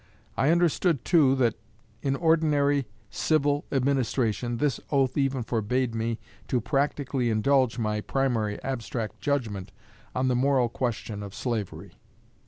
I understood, too, that in ordinary civil administration this oath even forbade me to practically indulge my primary abstract judgment on the moral question of slavery.